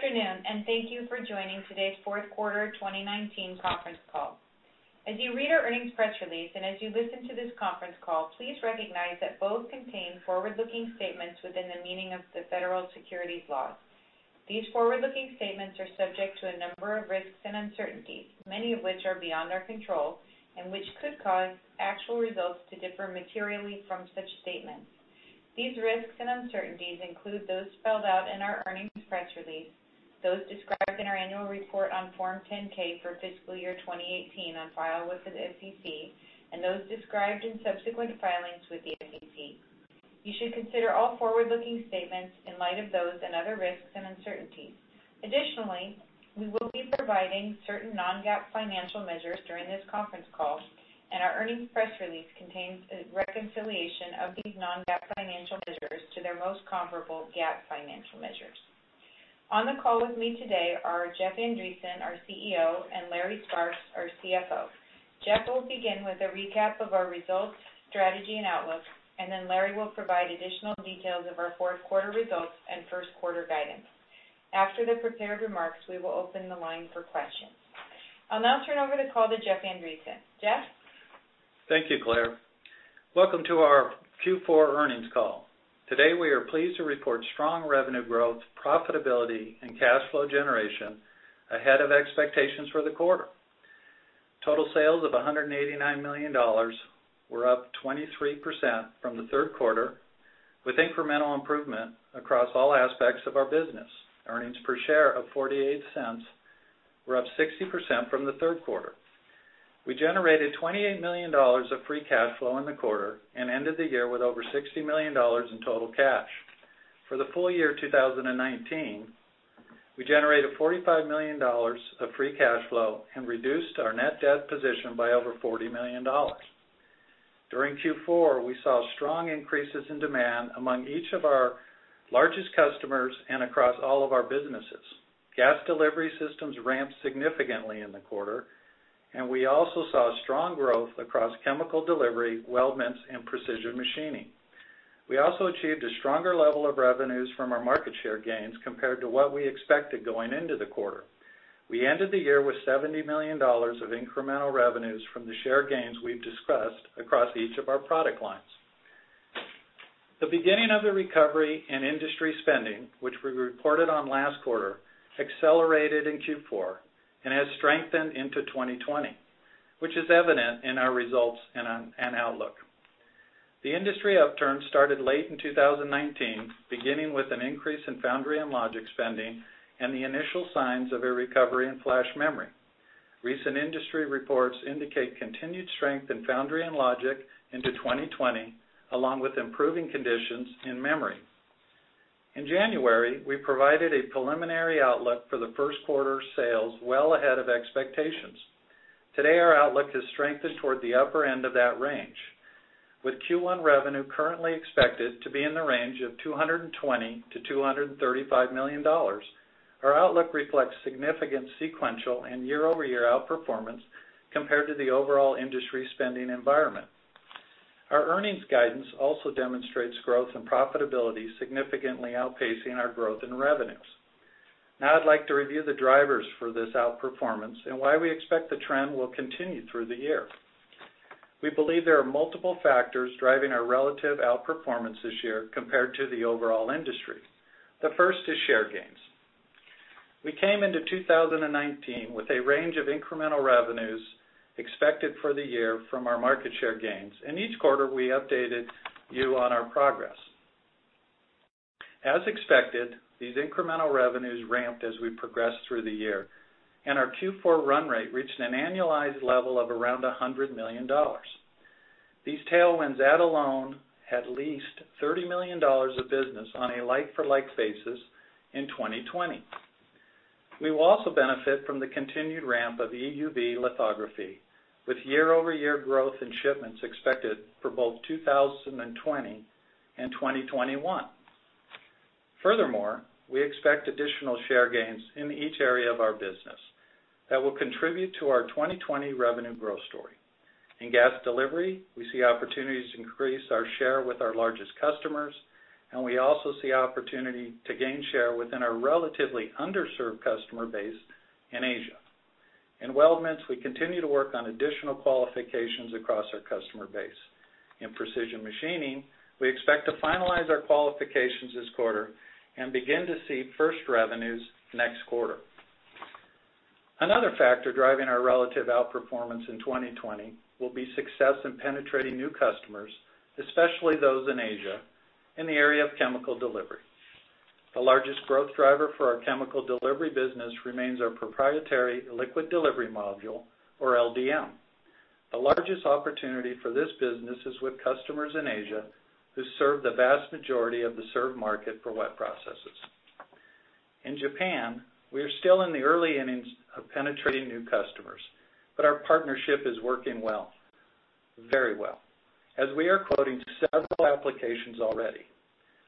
Good afternoon and thank you for joining today's fourth quarter 2019 conference call. As you read our earnings press release, and as you listen to this conference call, please recognize that both contain forward-looking statements within the meaning of the federal securities laws. These forward-looking statements are subject to a number of risks and uncertainties, many of which are beyond our control, and which could cause actual results to differ materially from such statements. These risks and uncertainties include those spelled out in our earnings press release, those described in our annual report on Form 10-K for fiscal year 2018 on file with the SEC, and those described in subsequent filings with the SEC. You should consider all forward-looking statements in light of those and other risks and uncertainties. Additionally, we will be providing certain non-GAAP financial measures during this conference call, and our earnings press release contains a reconciliation of these non-GAAP financial measures to their most comparable GAAP financial measures. On the call with me today are Jeff Andreson, our CEO, and Larry Sparks, our CFO. Jeff will begin with a recap of our results, strategy, and outlook, and then Larry will provide additional details of our fourth quarter results and first quarter guidance. After the prepared remarks, we will open the line for questions. I'll now turn over the call to Jeff Andreson. Jeff? Thank you, Claire. Welcome to our Q4 earnings call. Today, we are pleased to report strong revenue growth, profitability, and cash flow generation ahead of expectations for the quarter. Total sales of $189 million were up 23% from the third quarter, with incremental improvement across all aspects of our business. Earnings per share of $0.48 were up 60% from the third quarter. We generated $28 million of free cash flow in the quarter, and ended the year with over $60 million in total cash. For the full year 2019, we generated $45 million of free cash flow and reduced our net debt position by over $40 million. During Q4, we saw strong increases in demand among each of our largest customers and across all of our businesses. Gas delivery systems ramped significantly in the quarter, and we also saw strong growth across chemical delivery, weldments, and precision machining. We also achieved a stronger level of revenues from our market share gains compared to what we expected going into the quarter. We ended the year with $70 million of incremental revenues from the share gains we've discussed across each of our product lines. The beginning of the recovery in industry spending, which we reported on last quarter, accelerated in Q4 and has strengthened into 2020, which is evident in our results and outlook. The industry upturn started late in 2019, beginning with an increase in foundry and logic spending and the initial signs of a recovery in flash memory. Recent industry reports indicate continued strength in foundry and logic into 2020, along with improving conditions in memory. In January, we provided a preliminary outlook for the first quarter sales well ahead of expectations. Today, our outlook has strengthened toward the upper end of that range. With Q1 revenue currently expected to be in the range of $220 million-$235 million, our outlook reflects significant sequential and year-over-year outperformance compared to the overall industry spending environment. Our earnings guidance also demonstrates growth and profitability significantly outpacing our growth in revenues. I'd like to review the drivers for this outperformance and why we expect the trend will continue through the year. We believe there are multiple factors driving our relative outperformance this year compared to the overall industry. The first is share gains. We came into 2019 with a range of incremental revenues expected for the year from our market share gains, and each quarter we updated you on our progress. As expected, these incremental revenues ramped as we progressed through the year, and our Q4 run rate reached an annualized level of around $100 million. These tailwinds add alone at least $30 million of business on a like-for-like basis in 2020. We will also benefit from the continued ramp of EUV lithography, with year-over-year growth in shipments expected for both 2020 and 2021. Furthermore, we expect additional share gains in each area of our business that will contribute to our 2020 revenue growth story. In gas delivery, we see opportunities to increase our share with our largest customers, and we also see opportunity to gain share within our relatively underserved customer base in Asia. In weldments, we continue to work on additional qualifications across our customer base. In precision machining, we expect to finalize our qualifications this quarter and begin to see first revenues next quarter. Another factor driving our relative outperformance in 2020 will be success in penetrating new customers, especially those in Asia, in the area of chemical delivery. The largest growth driver for our chemical delivery business remains our proprietary liquid delivery module, or LDM. The largest opportunity for this business is with customers in Asia who serve the vast majority of the served market for wet processes. In Japan, we are still in the early innings of penetrating new customers, but our partnership is working well, very well, as we are quoting several applications already.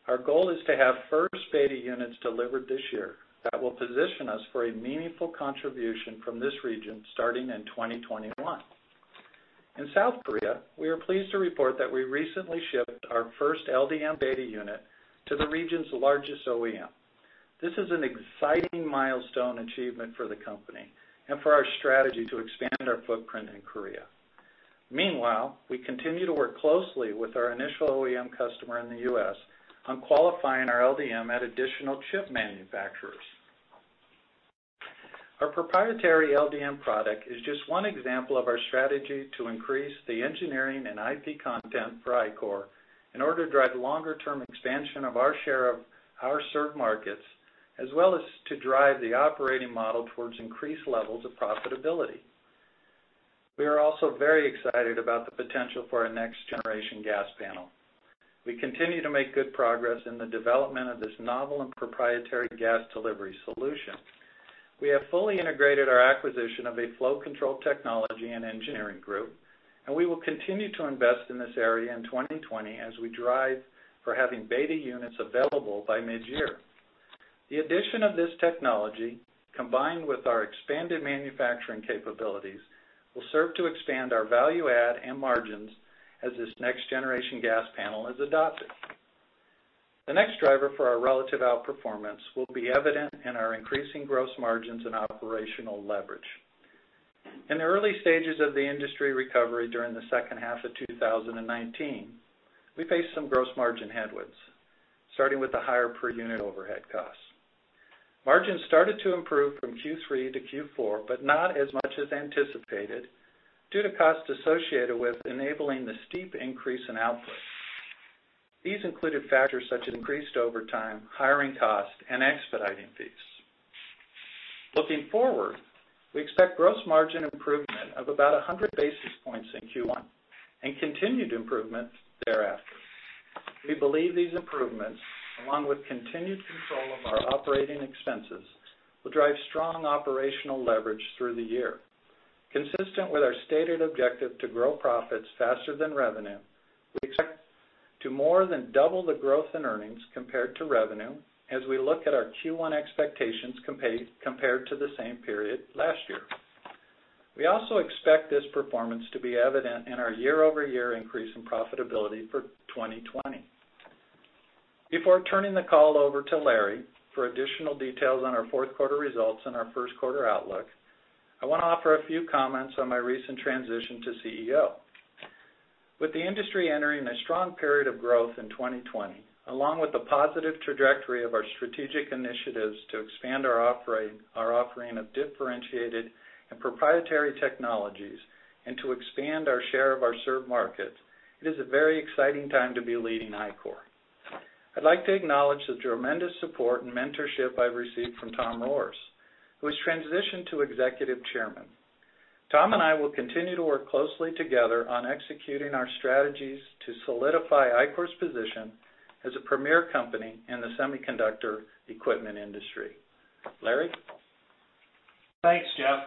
Our goal is to have first beta units delivered this year that will position us for a meaningful contribution from this region starting in 2021. In South Korea, we are pleased to report that we recently shipped our first LDM beta unit to the region's largest OEM. This is an exciting milestone achievement for the company and for our strategy to expand our footprint in Korea. Meanwhile, we continue to work closely with our initial OEM customer in the U.S. on qualifying our LDM at additional chip manufacturers. Our proprietary LDM product is just one example of our strategy to increase the engineering and IP content for Ichor in order to drive longer-term expansion of our share of our served markets, as well as to drive the operating model towards increased levels of profitability. We are also very excited about the potential for our next-generation gas panel. We continue to make good progress in the development of this novel and proprietary gas delivery solution. We have fully integrated our acquisition of a flow control technology and engineering group, and we will continue to invest in this area in 2020 as we drive for having beta units available by midyear. The addition of this technology, combined with our expanded manufacturing capabilities, will serve to expand our value add and margins as this next-generation gas panel is adopted. The next driver for our relative outperformance will be evident in our increasing gross margins and operational leverage. In the early stages of the industry recovery during the second half of 2019, we faced some gross margin headwinds, starting with the higher per unit overhead costs. Margins started to improve from Q3 to Q4, but not as much as anticipated, due to costs associated with enabling the steep increase in output. These included factors such as increased overtime, hiring costs, and expediting fees. Looking forward, we expect gross margin improvement of about 100 basis points in Q1, and continued improvements thereafter. We believe these improvements, along with continued control of our operating expenses, will drive strong operational leverage through the year. Consistent with our stated objective to grow profits faster than revenue, we expect to more than double the growth in earnings compared to revenue as we look at our Q1 expectations compared to the same period last year. We also expect this performance to be evident in our year-over-year increase in profitability for 2020. Before turning the call over to Larry for additional details on our fourth quarter results and our first quarter outlook, I want to offer one few comments on my recent transition to CEO. With the industry entering a strong period of growth in 2020, along with the positive trajectory of our strategic initiatives to expand our offering of differentiated and proprietary technologies, and to expand our share of our served markets, it is a very exciting time to be leading Ichor. I'd like to acknowledge the tremendous support and mentorship I've received from Tom Rohrs, who has transitioned to Executive Chairman. Tom and I will continue to work closely together on executing our strategies to solidify Ichor's position as a premier company in the semiconductor equipment industry. Larry? Thanks, Jeff.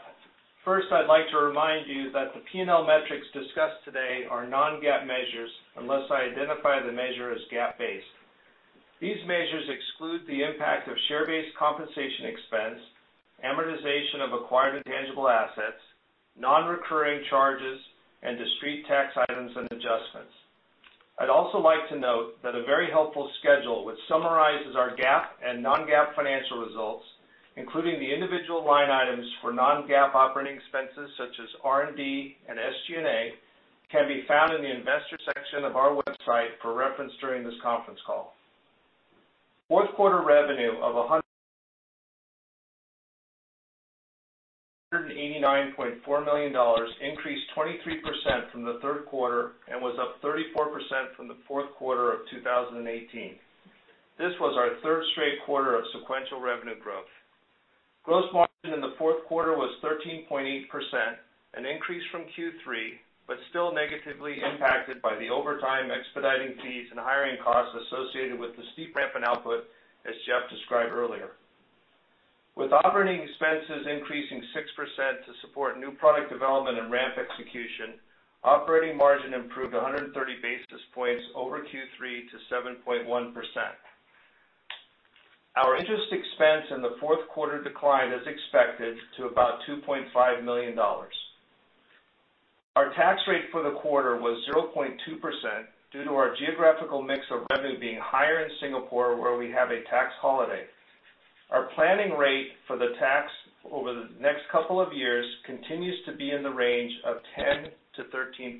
First, I'd like to remind you that the P&L metrics discussed today are non-GAAP measures, unless I identify the measure as GAAP-based. These measures exclude the impact of share-based compensation expense, amortization of acquired intangible assets, non-recurring charges, and discrete tax items and adjustments. I'd also like to note that a very helpful schedule which summarizes our GAAP and non-GAAP financial results, including the individual line items for non-GAAP operating expenses such as R&D and SG&A, can be found in the investor section of our website for reference during this conference call. Fourth quarter revenue of $189.4 million increased 23% from the third quarter and was up 34% from the fourth quarter of 2018. This was our third straight quarter of sequential revenue growth. Gross margin in the fourth quarter was 13.8%, an increase from Q3, but still negatively impacted by the overtime expediting fees and hiring costs associated with the steep ramp in output, as Jeff described earlier. With operating expenses increasing 6% to support new product development and ramp execution, operating margin improved 130 basis points over Q3 to 7.1%. Our interest expense in the fourth quarter declined as expected to about $2.5 million. Our tax rate for the quarter was 0.2% due to our geographical mix of revenue being higher in Singapore, where we have a tax holiday. Our planning rate for the tax over the next couple of years continues to be in the range of 10%-13%.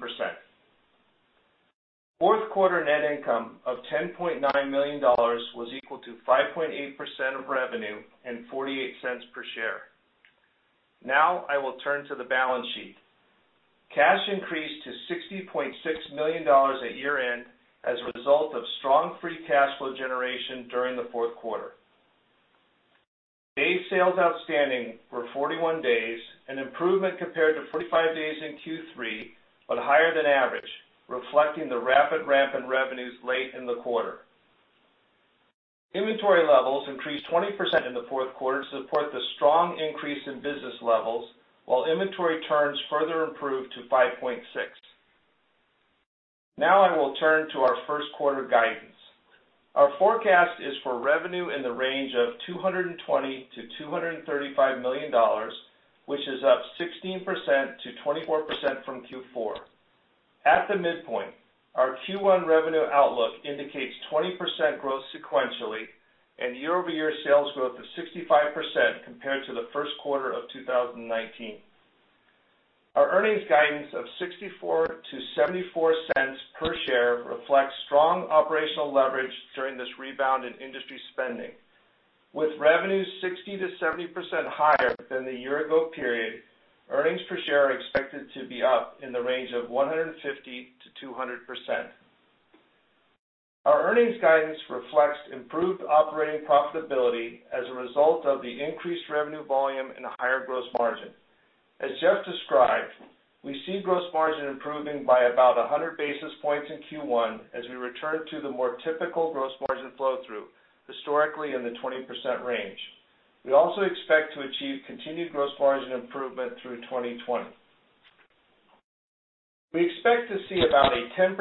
Fourth quarter net income of $10.9 million was equal to 5.8% of revenue and $0.48 per share. Now, I will turn to the balance sheet. Cash increased to $60.6 million at year-end as a result of strong free cash flow generation during the fourth quarter. Days sales outstanding were 41 days, an improvement compared to 45 days in Q3, but higher than average, reflecting the rapid ramp in revenues late in the quarter. Inventory levels increased 20% in the fourth quarter to support the strong increase in business levels, while inventory turns further improved to 5.6. Now, I will turn to our first quarter guidance. Our forecast is for revenue in the range of $220 million-$235 million, which is up 16%-24% from Q4. At the midpoint, our Q1 revenue outlook indicates 20% growth sequentially and year-over-year sales growth of 65% compared to the first quarter of 2019. Our earnings guidance of $0.64-$0.74 per share reflects strong operational leverage during this rebound in industry spending. With revenues 60%-70% higher than the year-ago period, earnings per share are expected to be up in the range of 150%-200%. Our earnings guidance reflects improved operating profitability as a result of the increased revenue volume and a higher gross margin. As Jeff described, we see gross margin improving by about 100 basis points in Q1 as we return to the more typical gross margin flow-through, historically in the 20% range. We also expect to achieve continued gross margin improvement through 2020. We expect to see about a 10%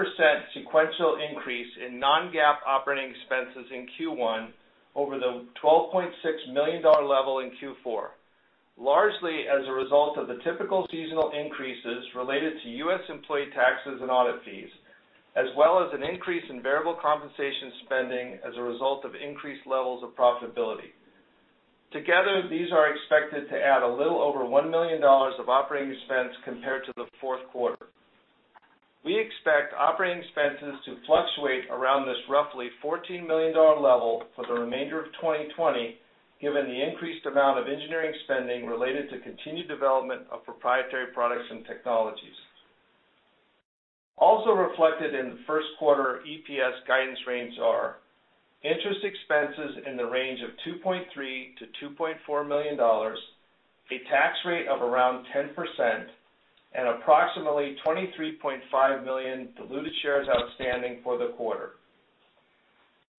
sequential increase in non-GAAP operating expenses in Q1 over the $12.6 million level in Q4, largely as a result of the typical seasonal increases related to U.S. employee taxes and audit fees, as well as an increase in variable compensation spending as a result of increased levels of profitability. Together, these are expected to add a little over $1 million of operating expense compared to the fourth quarter. We expect operating expenses to fluctuate around this roughly $14 million level for the remainder of 2020, given the increased amount of engineering spending related to continued development of proprietary products and technologies. Also reflected in the first quarter EPS guidance range are interest expenses in the range of $2.3 million-$2.4 million, a tax rate of around 10%, and approximately 23.5 million diluted shares outstanding for the quarter.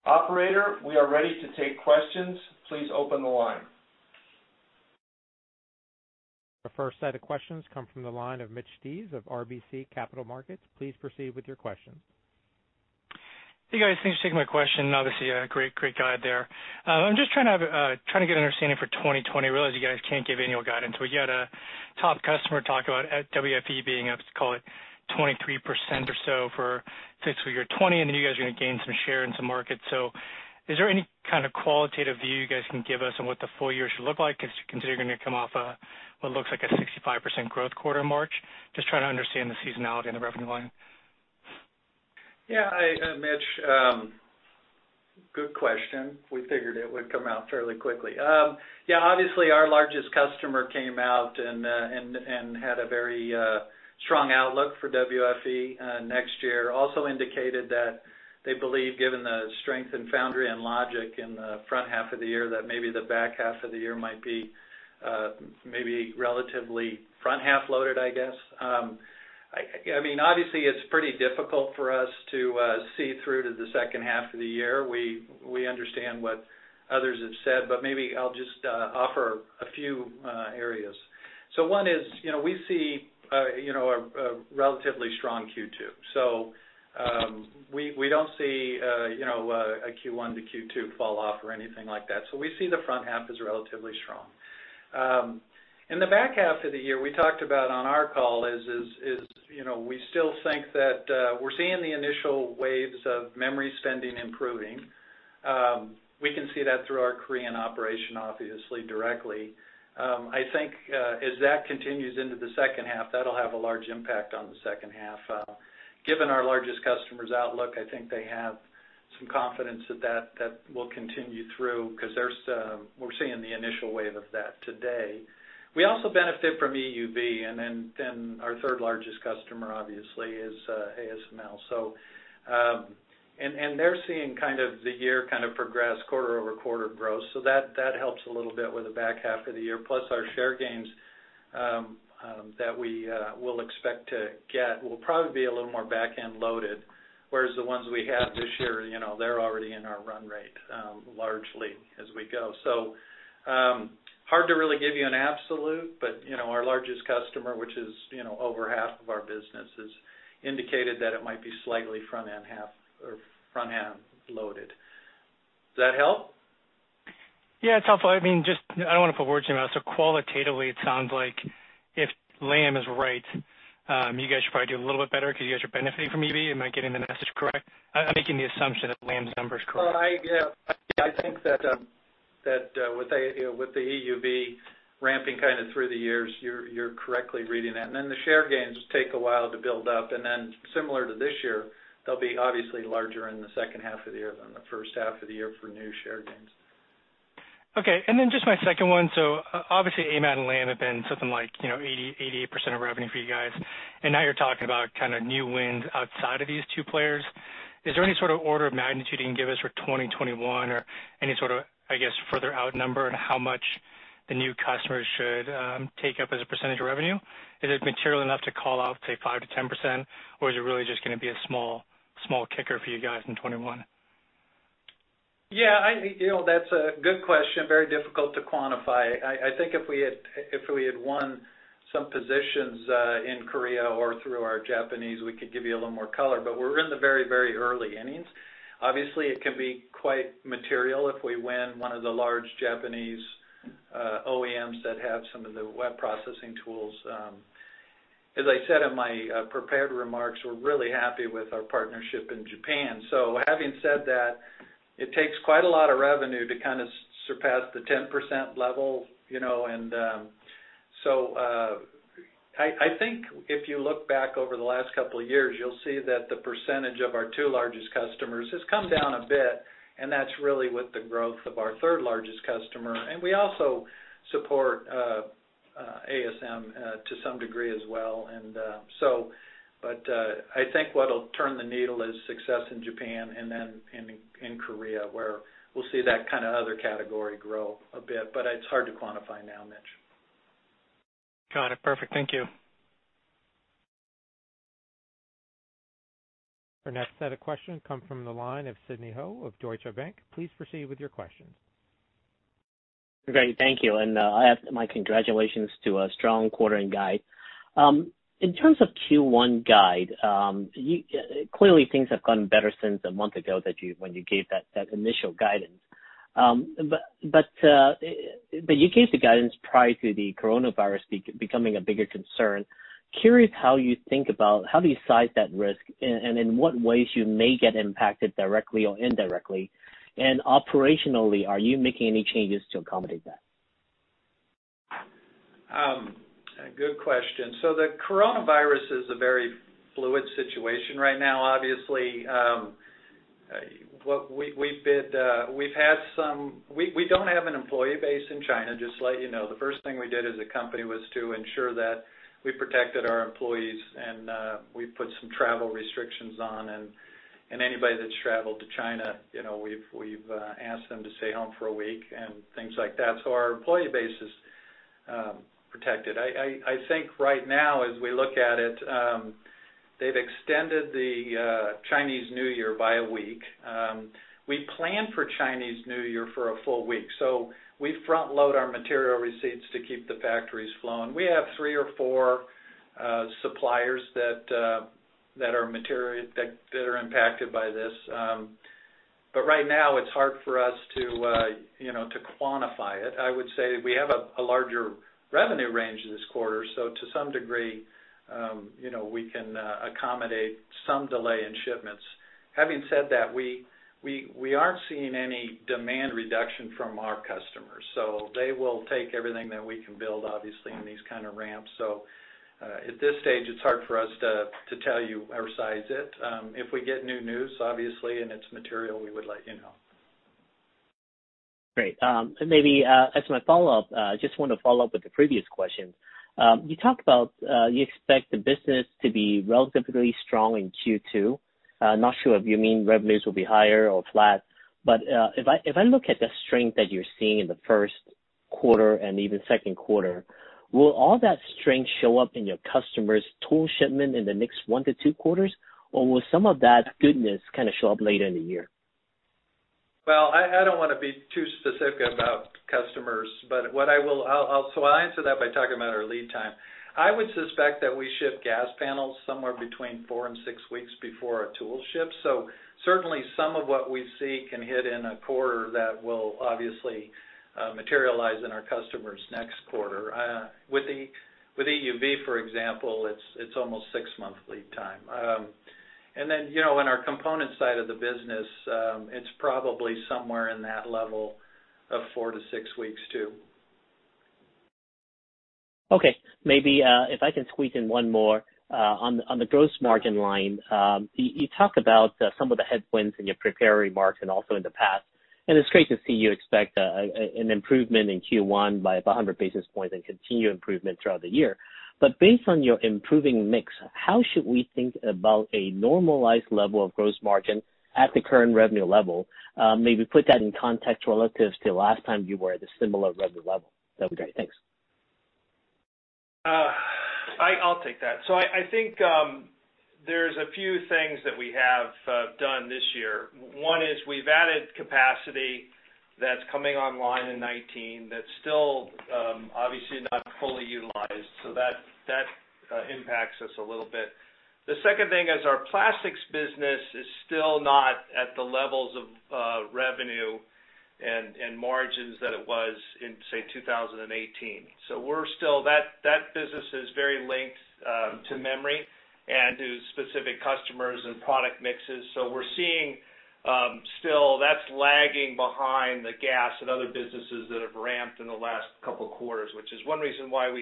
Operator, we are ready to take questions. Please open the line. Our first set of questions come from the line of Mitch Steves of RBC Capital Markets. Please proceed with your questions. Hey, guys. Thanks for taking my question. Obviously, a great guide there. I'm just trying to get an understanding for 2020. Realize you guys can't give annual guidance. We had a top customer talk about at WFE being up, let's call it 23% or so for fiscal year 2020, and then you guys are going to gain some share in some markets. Is there any kind of qualitative view you guys can give us on what the full year should look like, considering you're going to come off a what looks like a 65% growth quarter in March? Just trying to understand the seasonality in the revenue line. Mitch, good question. We figured it would come out fairly quickly. Obviously, our largest customer came out and had a very strong outlook for WFE next year. Also indicated that they believe given the strength in foundry and logic in the front half of the year, that maybe the back half of the year might be relatively front-half-loaded, I guess. I mean, obviously, it's pretty difficult for us to see through to the second half of the year. We understand what others have said, but maybe, I'll just offer a few areas. One is we see a relatively strong Q2. We don't see a Q1 to Q2 fall off or anything like that. We see the front half as relatively strong. In the back half of the year, we talked about on our call is, we still think that we're seeing the initial waves of memory spending improving. We can see that through our Korean operation, obviously, directly. I think as that continues into the second half, that'll have a large impact on the second half. Given our largest customer's outlook, I think they have some confidence that that will continue through, because we're seeing the initial wave of that today. We also benefit from EUV, and then our third largest customer, obviously, is ASML. They're seeing kind of the year kind of progress quarter-over-quarter growth, so that helps a little bit with the back half of the year plus our share gains that we will expect to get will probably be a little more back-end loaded, whereas the ones we have this year, they're already in our run rate, largely as we go. Hard to really give you an absolute, but our largest customer, which is over half of our business, has indicated that it might be slightly front-end loaded. Does that help? Yeah, it's helpful. I don't want to put words in your mouth. Qualitatively, it sounds like if Lam is right, you guys should probably do a little bit better because you guys are benefiting from EUV. Am I getting the message correct? I'm making the assumption that Lam's number is correct. Yeah. I think that with the EUV ramping kind of through the years, you're correctly reading that. The share gains take a while to build up, and similar to this year, they'll be obviously larger in the second half of the year than the first half of the year for new share gains. Okay, and then just my second one. Obviously, AMAT and Lam have been something like 88% of revenue for you guys, and now you're talking about kind of new wins outside of these two players. Is there any sort of order of magnitude you can give us for 2021 or any sort of, I guess, further out number on how much the new customers should take up as a percentage of revenue? Is it material enough to call out, say, 5%-10%, or is it really just going to be a small kicker for you guys in 2021? Yeah, that's a good question. Very difficult to quantify. I think if we had won some positions in Korea or through our Japanese, we could give you a little more color, but we're in the very, very early innings. Obviously, it can be quite material if we win one of the large Japanese OEMs that have some of the wet processing tools. As I said in my prepared remarks, we're really happy with our partnership in Japan. Having said that, it takes quite a lot of revenue to kind of surpass the 10% level. I think if you look back over the last couple of years, you'll see that the percentage of our two largest customers has come down a bit, and that's really with the growth of our third-largest customer. We also support ASM to some degree as well. I think what'll turn the needle is success in Japan and then in Korea, where we'll see that kind of other category grow a bit, but it's hard to quantify now, Mitch. Got it. Perfect. Thank you. Our next set of questions come from the line of Sidney Ho of Deutsche Bank. Please proceed with your questions. Great. Thank you. My congratulations to a strong quarter and guide. In terms of Q1 guide, clearly, things have gotten better since a month ago, when you gave that initial guidance. You gave the guidance prior to the coronavirus becoming a bigger concern. Curious how you think about, how do you size that risk and in what ways you may get impacted directly or indirectly. And operationally, are you making any changes to accommodate that? Good question. The coronavirus is a very fluid situation right now, obviously. We don't have an employee base in China, just to let you know. The first thing we did as a company was to ensure that we protected our employees, and we put some travel restrictions on. Anybody that's traveled to China, we've asked them to stay home for a week and things like that, so our employee base is protected. I think right now, as we look at it, they've extended the Chinese New Year by a week. We plan for Chinese New Year for a full week, so we front-load our material receipts to keep the factories flowing. We have three or four suppliers that are impacted by this, but right now, it's hard for us to quantify it. I would say we have a larger revenue range this quarter, so to some degree, we can accommodate some delay in shipments. Having said that, we aren't seeing any demand reduction from our customers, so they will take everything that we can build, obviously, in these kind of ramps. At this stage, it's hard for us to tell you or size it. If we get new news, obviously, and it's material, we would let you know. Great. Maybe, as my follow-up, just want to follow up with the previous question. You talked about you expect the business to be relatively strong in Q2. Not sure if you mean revenues will be higher or flat, but if I look at the strength that you're seeing in the first quarter and even second quarter, will all that strength show up in your customers' tool shipment in the next one to two quarters, or will some of that goodness kind of show up later in the year? I don't want to be too specific about customers, but I'll answer that by talking about our lead time. I would suspect that we ship gas panels somewhere between four and six weeks before a tool ships. Certainly, some of what we see can hit in a quarter that will obviously materialize in our customers' next quarter. With EUV, for example, it's almost six-month lead time. Then, in our component side of the business, it's probably somewhere in that level of four to six weeks, too. Okay. Maybe, if I can squeeze in one more. On the gross margin line, you talk about some of the headwinds in your prepared remarks and also in the past, and it's great to see you expect an improvement in Q1 by 100 basis points and continue improvement throughout the year. But based on your improving mix, how should we think about a normalized level of gross margin at the current revenue level? Maybe put that in context relative to last time you were at a similar revenue level, that would be great. Thanks. I'll take that. I think there's a few things that we have done this year. One is we've added capacity that's coming online in 2019, that's still obviously not fully utilized, so that impacts us a little bit. The second thing is our plastics business is still not at the levels of revenue and margins that it was in, say, 2018. That business is very linked to memory and to specific customers and product mixes, so we're seeing still that's lagging behind the gas and other businesses that have ramped in the last couple of quarters, which is one reason why we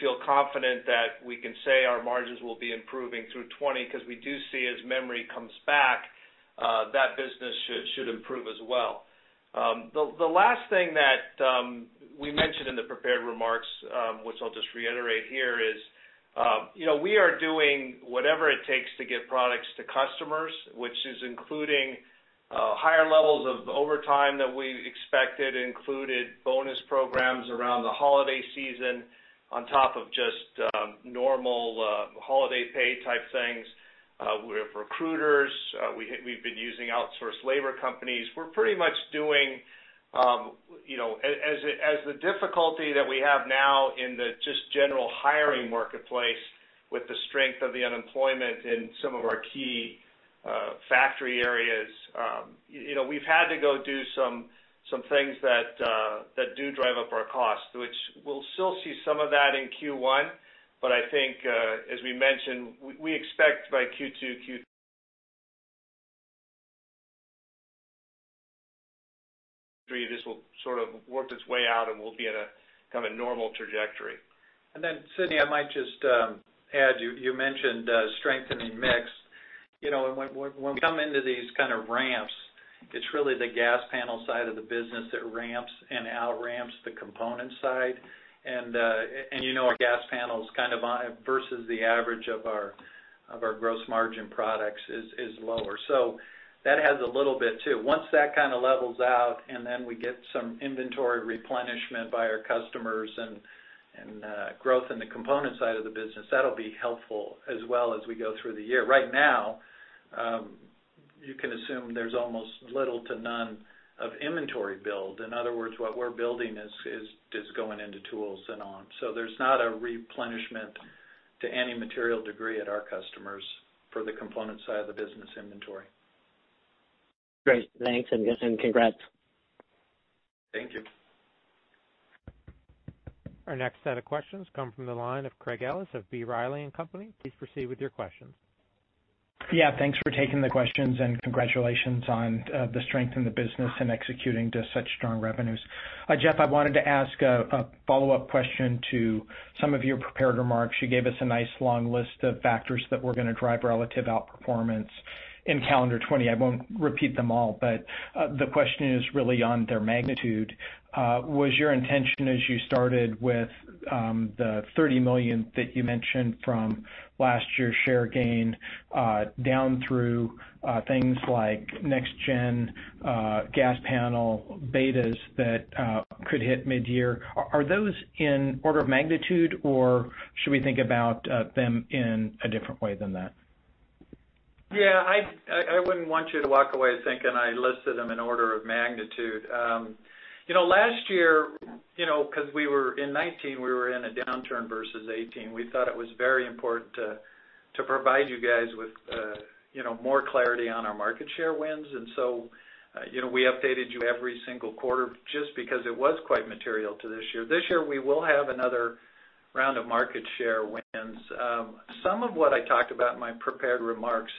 feel confident that we can say our margins will be improving through 2020, because we do see as memory comes back, that business should improve as well. The last thing that we mentioned in the prepared remarks, which I'll just reiterate here, is we are doing whatever it takes to get products to customers, which is including higher levels of overtime than we expected, included bonus programs around the holiday season. On top of just normal holiday pay type things, we have recruiters, we've been using outsourced labor companies. We're pretty much doing, you know, as the difficulty that we have now in the just general hiring marketplace with the strength of the unemployment in some of our key factory areas, we've had to go do some things that do drive up our cost. Which we'll still see some of that in Q1, but I think, as we mentioned, we expect by Q2, Q3, this will sort of work its way out and we'll be at a kind of normal trajectory. Sidney, I might just add, you mentioned strengthening mix. When we come into these kind of ramps, it's really the gas panel side of the business that ramps and out-ramps the component side. Our gas panels kind of, versus the average of our gross margin products, is lower, so that adds a little bit, too. Once that kind of levels out and then we get some inventory replenishment by our customers and growth in the component side of the business, that'll be helpful as well as we go through the year. Right now, you can assume there's almost little to none of inventory build. In other words, what we're building is just going into tools and on. There's not a replenishment to any material degree at our customers for the component side of the business inventory. Great. Thanks, on this and congrats. Thank you. Our next set of questions come from the line of Craig Ellis of B. Riley & Co. Please proceed with your questions. Yeah. Thanks for taking the questions and congratulations on the strength in the business and executing to such strong revenues. Jeff, I wanted to ask a follow-up question to some of your prepared remarks. You gave us a nice long list of factors that were going to drive relative outperformance in calendar 2020. I won't repeat them all, but the question is really on their magnitude. Was your intention as you started with the $30 million that you mentioned from last year's share gain, down through things like next-gen gas panel betas that could hit midyear, are those in order of magnitude, or should we think about them in a different way than that? Yeah, I wouldn't want you to walk away thinking I listed them in order of magnitude. Last year, because in 2019, we were in a downturn versus 2018, we thought it was very important to provide you guys with more clarity on our market share wins. We updated you every single quarter just because it was quite material to this year. This year, we will have another round of market share wins. Some of what I talked about in my prepared remarks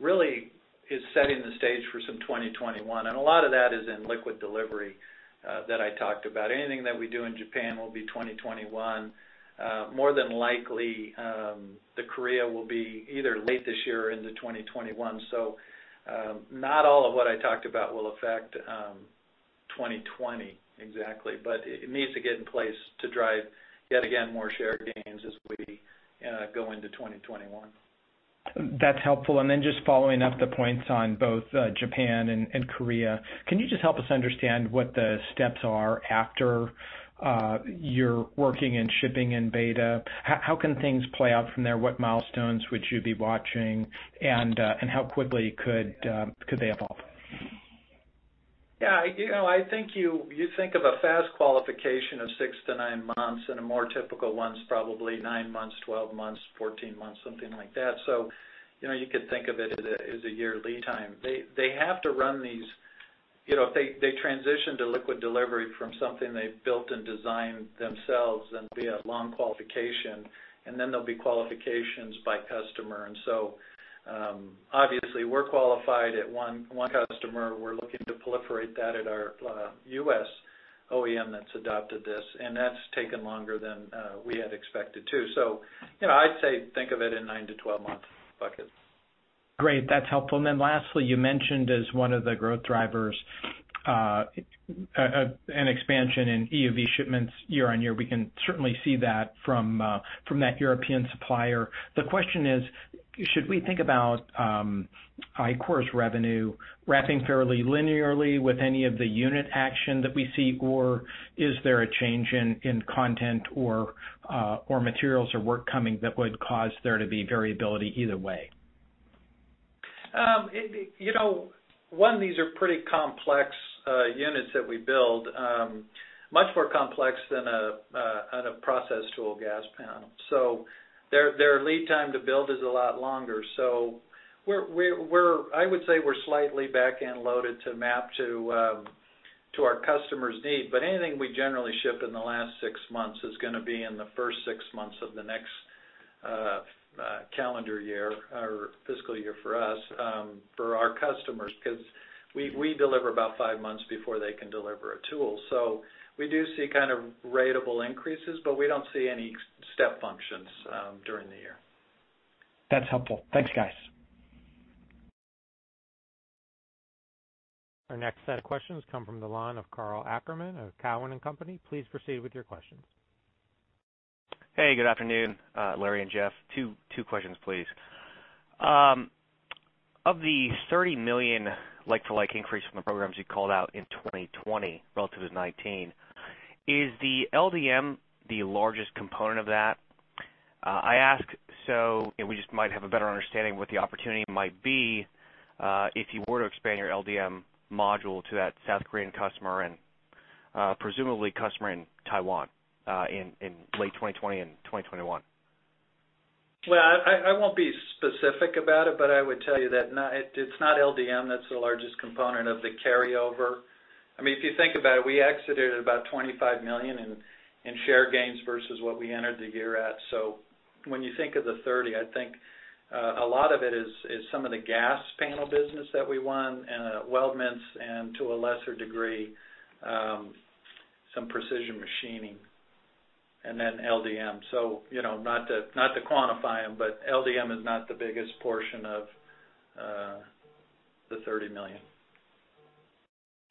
really is setting the stage for some 2021, and a lot of that is in liquid delivery that I talked about. Anything that we do in Japan will be 2021. More than likely, the Korea will be either late this year or into 2021. Not all of what I talked about will affect 2020 exactly, but it needs to get in place to drive, yet again, more share gains as we go into 2021. That's helpful. Just following up the points on both Japan and Korea, can you just help us understand what the steps are after you're working and shipping in beta? How can things play out from there? What milestones would you be watching, and how quickly could they evolve? Yeah. I think you think of a fast qualification of six to nine months, and a more typical one's probably nine months, 12 months, 14 months, something like that. You could think of it as a year lead time. They have to run these, you know, if they transition to liquid delivery from something they've built and designed themselves, then there'll be a long qualification, and then there'll be qualifications by customer. So, obviously, we're qualified at one customer. We're looking to proliferate that at our U.S. OEM that's adopted this, and that's taken longer than we had expected, too. I'd say think of it in 9-12 months buckets. Great. That's helpful. Lastly, you mentioned as one of the growth drivers an expansion in EUV shipments year-on-year. We can certainly see that from that European supplier. The question is, should we think about Ichor's revenue wrapping fairly linearly with any of the unit action that we see, or is there a change in content or materials or work coming that would cause there to be variability either way? One, these are pretty complex units that we build, much more complex than a process tool gas panel. Their lead time to build is a lot longer. I would say we're slightly back-end loaded to map to our customer's need, but anything we generally shipped in the last six months is going to be in the first six months of the next calendar year or fiscal year for us for our customers, because we deliver about five months before they can deliver a tool. We do see kind of ratable increases, but we don't see any step functions during the year. That's helpful. Thanks, guys. Our next set of questions come from the line of Karl Ackerman of Cowen and Company. Please proceed with your questions. Hey, good afternoon, Larry and Jeff. Two questions, please. Of the $30 million like-to-like increase from the programs you called out in 2020 relative to 2019, is the LDM the largest component of that? I ask so we just might have a better understanding of what the opportunity might be if you were to expand your LDM module to that South Korean customer and presumably customer in Taiwan in late 2020 and 2021. Well, I won't be specific about it, but I would tell you that it's not LDM that's the largest component of the carryover. If you think about it, we exited about $25 million in share gains versus what we entered the year at, so when you think of the $30 million, I think a lot of it is some of the gas panel business that we won and weldments and to a lesser degree, some precision machining and then LDM. Not to quantify them, but LDM is not the biggest portion of the $30 million.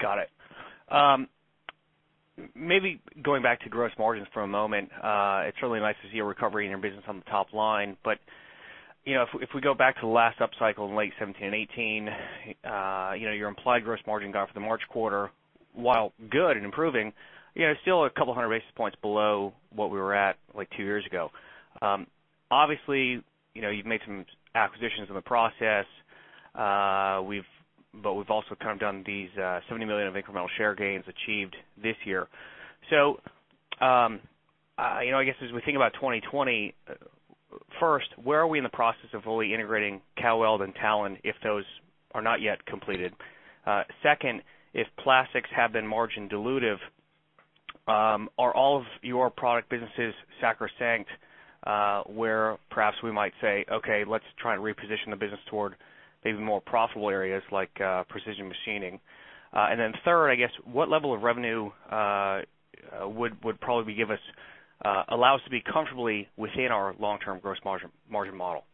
Got it. Maybe going back to gross margins for a moment, it's really nice to see a recovery in your business on the top line. If we go back to the last upcycle in late 2017 and 2018, your implied gross margin guide for the March quarter, while good and improving, still a couple of hundred basis points below what we were at two years ago. Obviously, you've made some acquisitions in the process. We've also done these $70 million of incremental share gains achieved this year. I guess as we think about 2020, first, where are we in the process of fully integrating Cal-Weld and Talon, if those are not yet completed? Second, if plastics have been margin dilutive, are all of your product businesses sacrosanct, where perhaps we might say, "Okay, let's try and reposition the business toward maybe more profitable areas like precision machining." Third, I guess, what level of revenue would probably give us, allow us to be comfortably within our long-term gross margin model?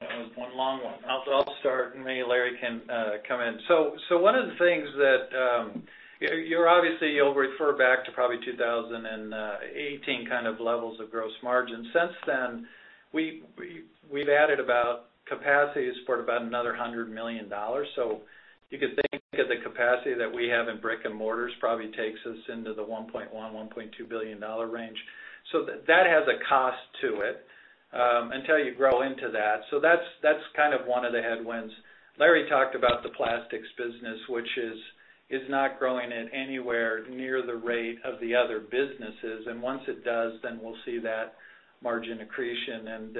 That was one long one. I'll start, and maybe Larry can come in. One of the things that, you know, you'll obviously refer back to probably 2018 kind of levels of gross margin. Since then, we've added about capacities for about another $100 million. You could think of the capacity that we have in brick and mortars, probably takes us into the $1.1 billion-$1.2 billion range. That has a cost to it, until you grow into that, so that's kind of one of the headwinds. Larry talked about the plastics business which is not growing at anywhere near the rate of the other businesses, and once it does, then we'll see that margin accretion.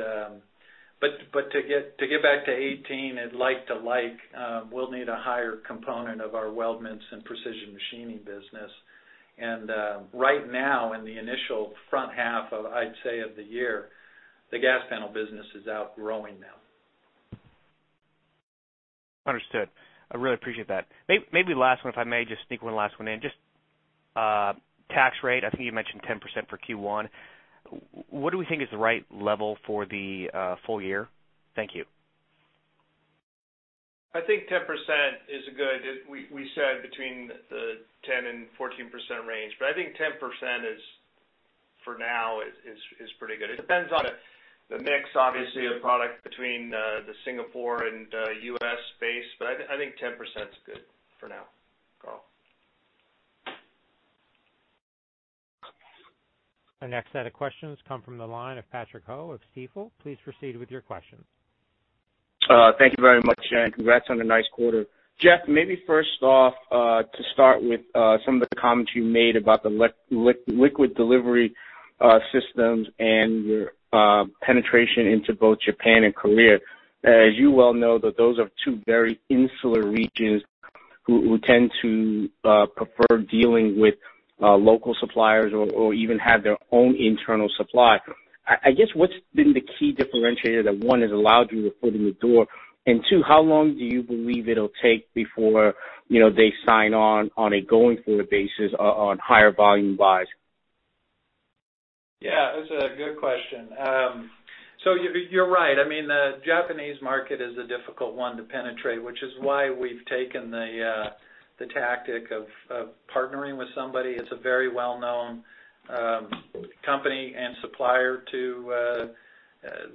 To get back to 2018 at like-to-like, we'll need a higher component of our weldments and precision machining business. Right now, in the initial front half of, I'd say, of the year, the gas panel business is outgrowing them. Understood. I really appreciate that. Maybe, last one, if I may just sneak one last one in. Just tax rate, I think you mentioned 10% for Q1. What do we think is the right level for the full year? Thank you. I think 10% is good. We said between the 10% and 14% range, but I think 10% is, for now, is pretty good. It depends on the mix, obviously, of product between the Singapore and U.S. base, but I think 10% is good for now, Karl. Our next set of questions come from the line of Patrick Ho of Stifel. Please proceed with your questions. Thank you very much and congrats on a nice quarter. Jeff, maybe first off, to start with some of the comments you made about the liquid delivery systems and your penetration into both Japan and Korea. As you well know that those are two very insular regions who tend to prefer dealing with local suppliers or even have their own internal supply. I guess what's been the key differentiator that, one, has allowed you a foot in the door, and two, how long do you believe it'll take before they sign on a going-forward basis on higher volume buys? Yeah, that's a good question. You're right. The Japanese market is a difficult one to penetrate, which is why we've taken the tactic of partnering with somebody. It's a very well-known company and supplier to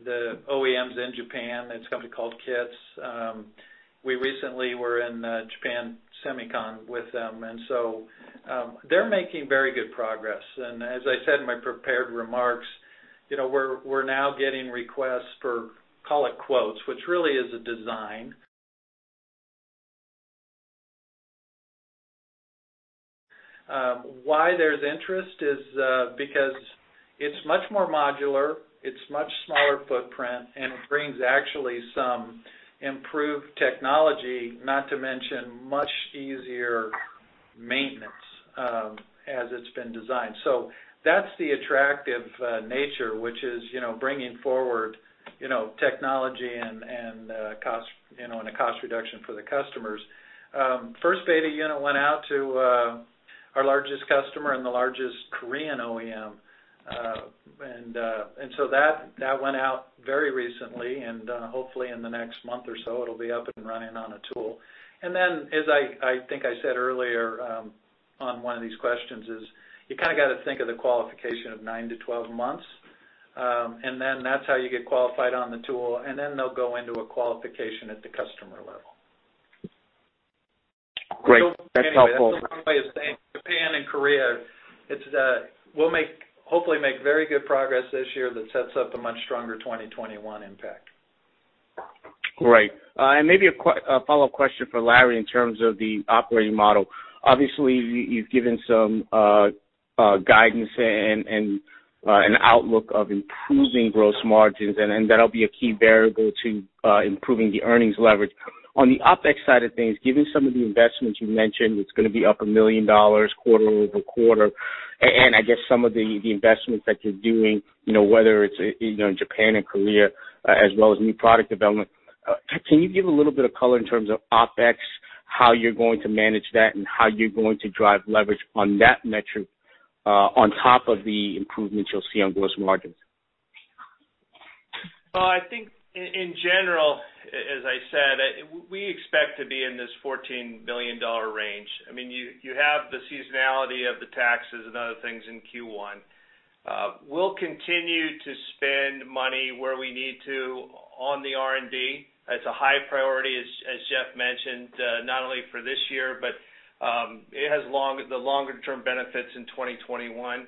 the OEMs in Japan. It's a company called KITZ. We recently were in Japan SEMICON with them. They're making very good progress. As I said in my prepared remarks, we're now getting requests for, call it, quotes, which really is a design. Why there's interest is because it's much more modular, it's much smaller footprint, and it brings actually some improved technology, not to mention much easier maintenance as it's been designed. That's the attractive nature, which is bringing forward technology and a cost reduction for the customers. First beta unit went out to our largest customer and the largest Korean OEM. That went out very recently, and hopefully in the next month or so, it'll be up and running on a tool. Then, as I think I said earlier on one of these questions is you kind of got to think of the qualification of 9-12 months, and then that's how you get qualified on the tool, and then they'll go into a qualification at the customer level. Great. That's helpful. Anyway, that's a long way of saying Japan and Korea, we'll hopefully make very good progress this year that sets up a much stronger 2021 impact. Great. Maybe, a follow-up question for Larry in terms of the operating model. Obviously, you've given some guidance and an outlook of improving gross margins, and that'll be a key variable to improving the earnings leverage. On the OpEx side of things, given some of the investments you mentioned, it's going to be up $1 million quarter-over-quarter and I guess some of the investments that you're doing, whether it's in Japan and Korea as well as new product development, can you give a little bit of color in terms of OpEx, how you're going to manage that, and how you're going to drive leverage on that metric on top of the improvements you'll see on gross margins? I think in general, as I said, we expect to be in this $14 million range. I mean, you have the seasonality of the taxes and other things in Q1. We'll continue to spend money where we need to on the R&D. That's a high priority, as Jeff mentioned, not only for this year, but it has the longer-term benefits in 2021.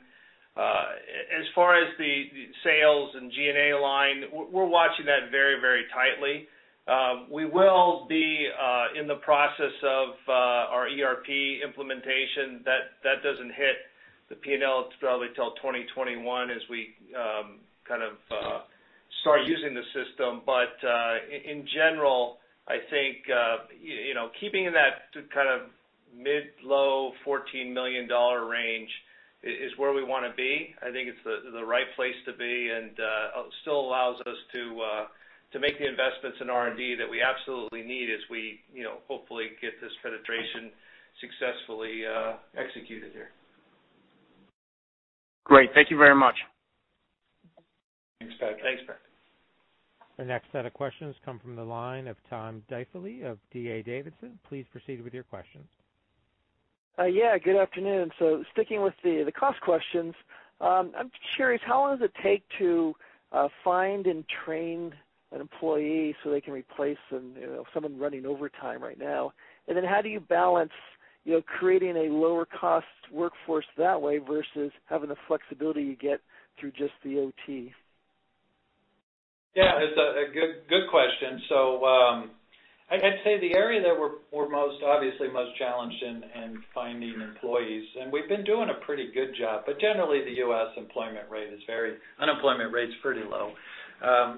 As far as the sales and G&A align, we're watching that very, very tightly. We will be in the process of our ERP implementation. That doesn't hit the P&L probably till 2021 as we kind of start using the system. In general, I think keeping that to kind of mid, low $14 million range is where we want to be. I think it's the right place to be, and still allows us to make the investments in R&D that we absolutely need as we hopefully get this penetration successfully executed here. Great. Thank you very much. Thanks, Patrick. Thanks, Patrick. The next set of questions come from the line of Tom Diffely of D.A. Davidson. Please proceed with your questions. Yeah, good afternoon. Sticking with the cost questions, I'm curious, how long does it take to find and train an employee so they can replace someone running overtime right now? How do you balance creating a lower cost workforce that way versus having the flexibility you get through just the OT? Yeah, it's a good question. I'd say the area that we're most obviously most challenged in finding employees, and we've been doing a pretty good job, but generally the U.S. unemployment rate's pretty low.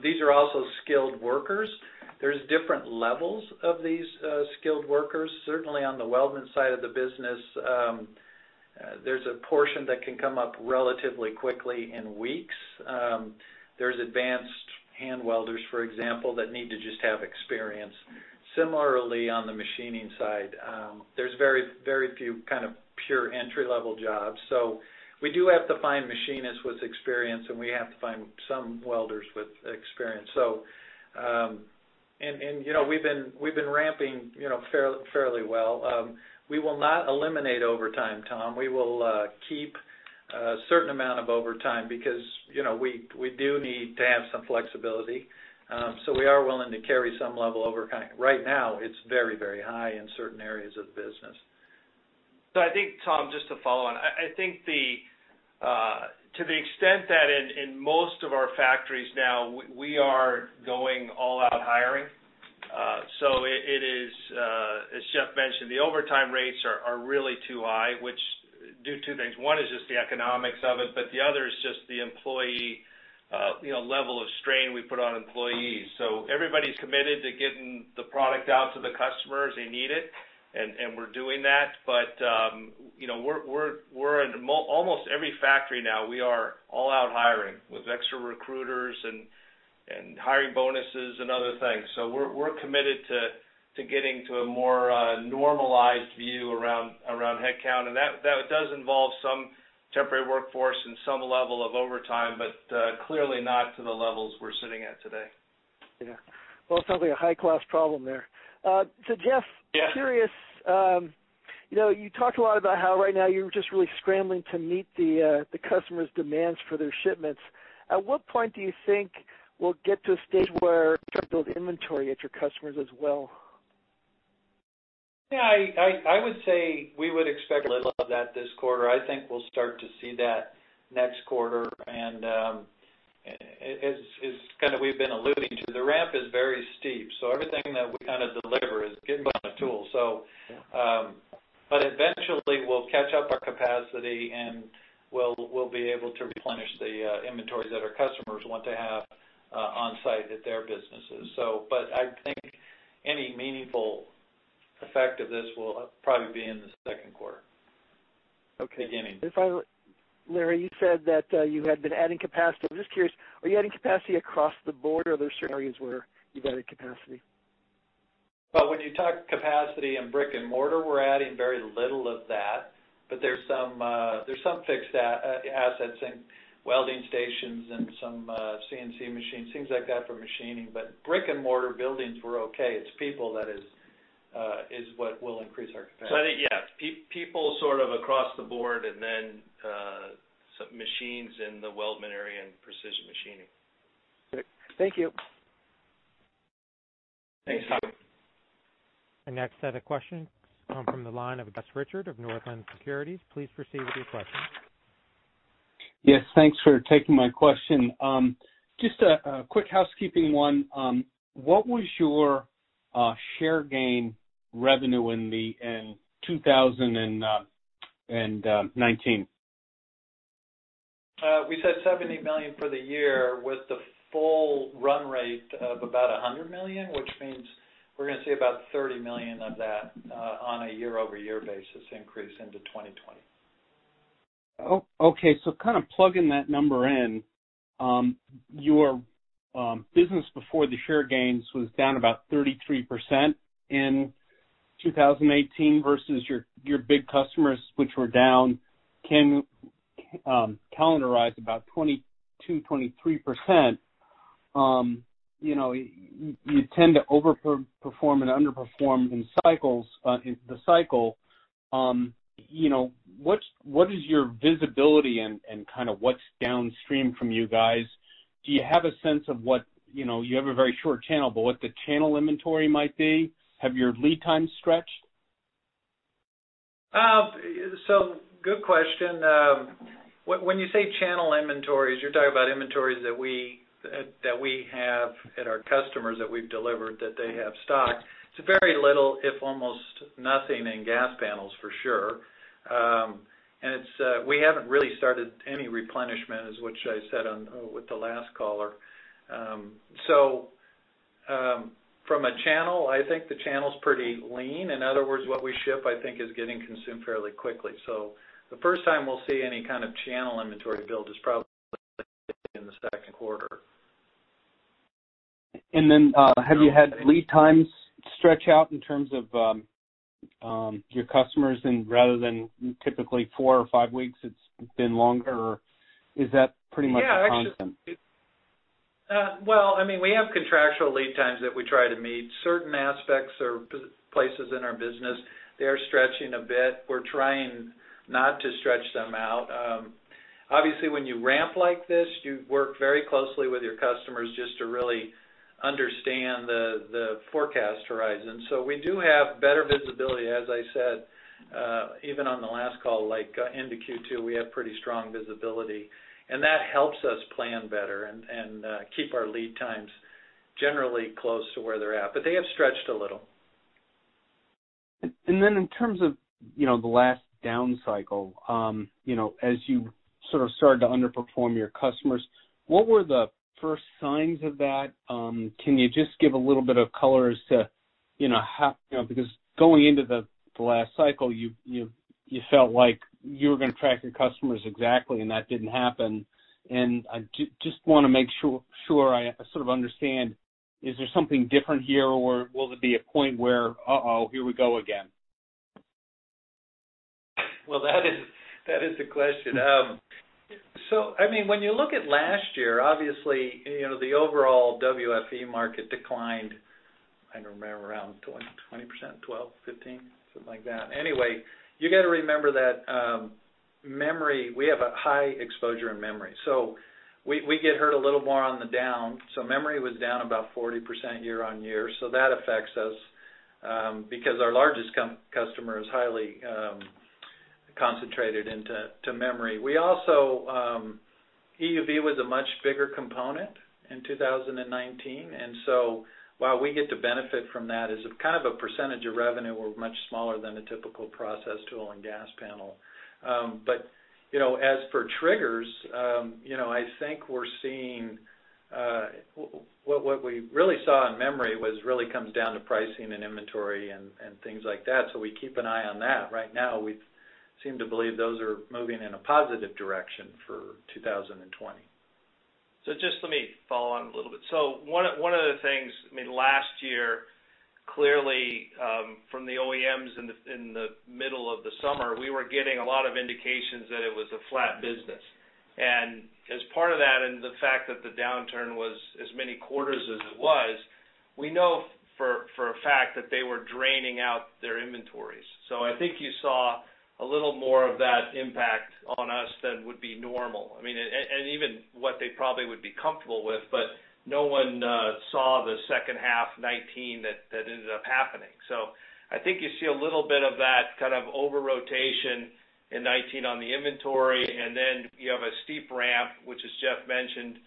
These are also skilled workers. There's different levels of these skilled workers. Certainly, on the welding side of the business, there's a portion that can come up relatively quickly in weeks. There's advanced hand welders, for example, that need to just have experience. Similarly, on the machining side, there's very few kind of pure entry-level jobs. We do have to find machinists with experience, and we have to find some welders with experience. We've been ramping fairly well. We will not eliminate overtime, Tom. We will keep a certain amount of overtime because we do need to have some flexibility, so we are willing to carry some level overtime. Right now, it's very, very high in certain areas of the business. I think, Tom, just to follow on, I think to the extent that in most of our factories now, we are going all out hiring. It is, as Jeff mentioned, the overtime rates are really too high, which do two things. One is just the economics of it, but the other is just the employee, the level of strain we put on employees. Everybody's committed to getting the product out to the customer as they need it, and we're doing that. We're in almost every factory now, we are all out hiring with extra recruiters and hiring bonuses and other things. We're committed to getting to a more normalized view around headcount, and that does involve some temporary workforce and some level of overtime, but clearly not to the levels we're sitting at today. Yeah. Well, it sounds like a high-class problem there. Jeff. Yeah. Curious. You talked a lot about how, right now, you're just really scrambling to meet the customers' demands for their shipments. At what point do you think we'll get to a stage where you start to build inventory at your customers as well? Yeah, I would say we would expect little of that this quarter. I think we'll start to see that next quarter. As kind of we've been alluding to, the ramp is very steep, so everything that we kind of deliver is getting by the tool. Eventually, we'll catch up our capacity, and we'll be able to replenish the inventory that our customers want to have on site at their businesses. I think any meaningful effect of this will probably be in the second quarter. Okay. Beginning. Finally, Larry, you said that you had been adding capacity. I'm just curious, are you adding capacity across the board, or are there certain areas where you've added capacity? Well, when you talk capacity in brick and mortar, we're adding very little of that. There's some fixed assets in welding stations and some CNC machines, things like that for machining, but brick and mortar buildings, we're okay. It's people that is, is what will increase our capacity. I think, yeah, people sort of across the board, and then some machines in the weldment area and precision machining. Good. Thank you. Thanks. Our next set of questions come from the line of Gus Richard of Northland Securities. Please proceed with your questions. Yes, thanks for taking my question. Just a quick housekeeping one. What was your share gain revenue in 2019? We said $70 million for the year with the full run rate of about $100 million, which means we're going to see about $30 million of that on a year-over-year basis increase into 2020. Okay. So, kind of plugging that number in, your business before the share gains was down about 33% in 2018 versus your big customers, which were down calendarized about 22%, 23%. You tend to overperform and underperform in the cycle. What is your visibility and kind of what's downstream from you guys? Do you have a sense of what, you know, you have a very short channel, but what the channel inventory might be? Have your lead times stretched? Good question. When you say channel inventories, you're talking about inventories that we have at our customers that we've delivered that they have stocked. It's very little, if almost nothing, in gas panels for sure. We haven't really started any replenishment, as which I said with the last caller. From a channel, I think the channel's pretty lean. In other words, what we ship, I think, is getting consumed fairly quickly. The first time we'll see any kind of channel inventory build is probably in the second quarter. Have you had lead times stretch out in terms of your customers and rather than typically four or five weeks, it's been longer, or is that pretty much the content? Well, we have contractual lead times that we try to meet. Certain aspects or places in our business, they are stretching a bit. We're trying not to stretch them out. Obviously, when you ramp like this, you work very closely with your customers just to really understand the forecast horizon. We do have better visibility, as I said, even on the last call. Like into Q2, we have pretty strong visibility, and that helps us plan better and keep our lead times generally close to where they're at. But they have stretched a little. In terms of the last down cycle, as you sort of started to underperform your customers, what were the first signs of that? Can you just give a little bit of color as to how, you know, because going into the last cycle, you felt like you were going to track your customers exactly, and that didn't happen. I just want to make sure I sort of understand, is there something different here, or will there be a point where, uh-oh, here we go again? That is a question. When you look at last year, obviously, the overall WFE market declined, I remember, around 20%, 12%, 15%, something like that. Anyway, you got to remember that memory, we have a high exposure in memory, so we get hurt a little more on the down. Memory was down about 40% year-on-year, so that affects us, because our largest customer is highly concentrated into memory. We also, EUV was a much bigger component in 2019, and so, while we get to benefit from that as kind of a percentage of revenue, we're much smaller than a typical process tool and gas panel. As for triggers, I think we're seeing, what we really saw in memory was really comes down to pricing and inventory and things like that. We keep an eye on that. Right now, we seem to believe those are moving in a positive direction for 2020. Just let me follow on a little bit. One of the things, last year, clearly, from the OEMs in the middle of the summer, we were getting a lot of indications that it was a flat business. As part of that and the fact that the downturn was as many quarters as it was, we know for a fact that they were draining out their inventories. I think you saw a little more of that impact on us than would be normal, and even what they probably would be comfortable with. No one saw the second half 2019 that ended up happening. I think you see a little bit of that kind of over-rotation in 2019 on the inventory, and then you have a steep ramp, which as Jeff mentioned,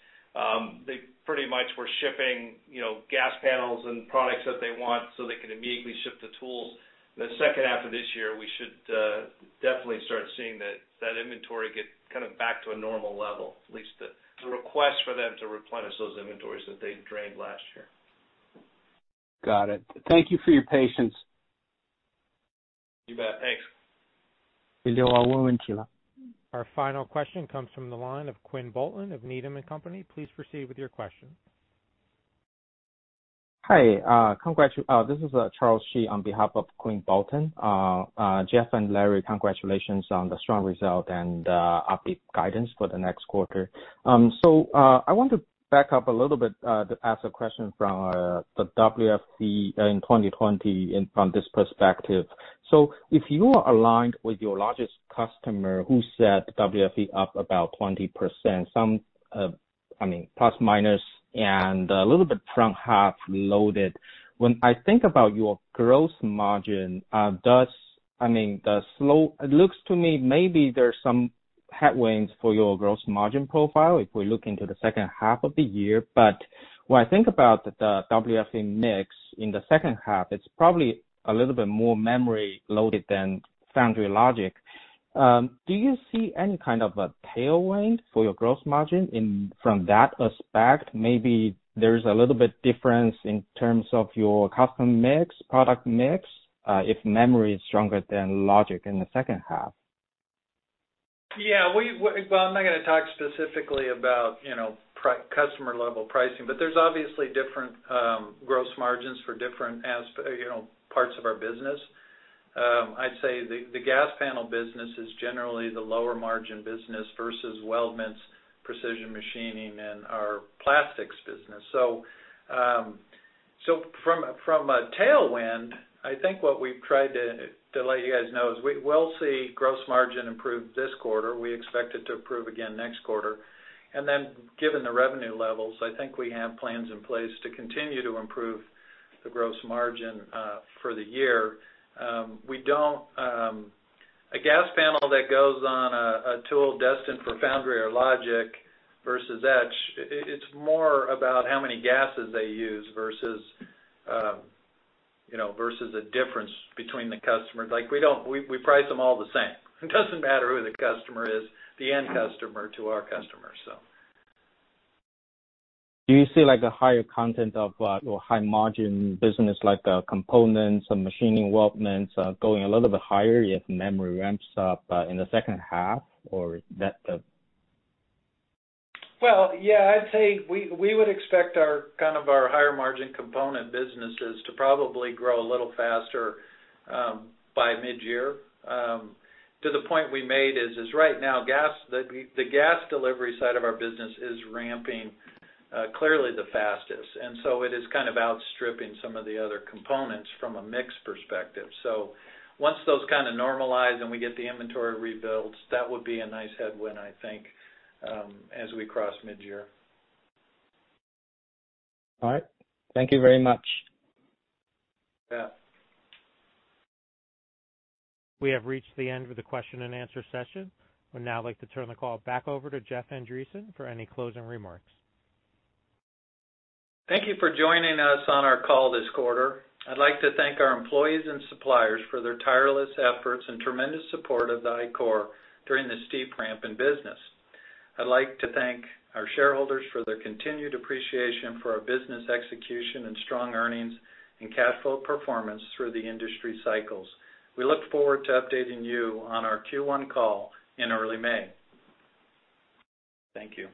they pretty much were shipping gas panels and products that they want, so they can immediately ship the tools. The second half of this year, we should definitely start seeing that inventory get kind of back to a normal level, at least the request for them to replenish those inventories that they drained last year. Got it. Thank you for your patience. You bet. Thanks. Our final question comes from the line of Quinn Bolton of Needham & Company. Please proceed with your question. Hi. This is Charles Shi on behalf of Quinn Bolton. Jeff and Larry, congratulations on the strong result and upbeat guidance for the next quarter. I want to back up a little bit to ask a question from the WFE in 2020 from this perspective. If you are aligned with your largest customer who set WFE up about 20%, some, I mean, plus minus, and a little bit front half loaded, when I think about your gross margin, it looks to me maybe there's some headwinds for your gross margin profile if we look into the second half of the year, but what I think about the WFE mix in the second half, it's probably a little bit memory-loaded than foundry and logic. Do you see any kind of a tailwind for your gross margin from that aspect? Maybe, there is a little bit difference in terms of your custom mix, product mix, if memory is stronger than logic in the second half. Yeah. Well, I'm not going to talk specifically about customer-level pricing, but there's obviously different gross margins for different parts of our business. I'd say the gas panel business is generally the lower margin business versus weldments, precision machining, and our plastics business. From a tailwind, I think what we've tried to let you guys know is we will see gross margin improve this quarter. We expect it to improve again next quarter. Then, given the revenue levels, I think we have plans in place to continue to improve the gross margin for the year. A gas panel that goes on a tool destined for foundry or logic versus etch, it's more about how many gases they use versus a difference between the customers. We price them all the same. It doesn't matter who the customer is, the end customer to our customer. Do you see a higher content of high margin business, like components and machining weldments, going a little bit higher if memory ramps up in the second half or that's a? Well, yeah. I'd say we would expect our kind of higher margin component businesses to probably grow a little faster by midyear. To the point we made is, right now, the gas delivery side of our business is ramping clearly the fastest, and so, it is kind of outstripping some of the other components from a mix perspective. Once those kind of normalize and we get the inventory rebuilds, that would be a nice headwind, I think, as we cross midyear. All right. Thank you very much. Yeah. We have reached the end of the question-and-answer session. I would now like to turn the call back over to Jeff Andreson for any closing remarks. Thank you for joining us on our call this quarter. I'd like to thank our employees and suppliers for their tireless efforts and tremendous support of Ichor during this steep ramp in business. I'd like to thank our shareholders for their continued appreciation for our business execution and strong earnings, and cash flow performance through the industry cycles. We look forward to updating you on our Q1 call in early May. Thank you.